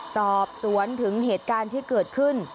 สอบสวนถึงเหตุการณ์ที่เกิดขึ้น